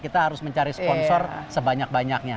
kita harus mencari sponsor sebanyak banyaknya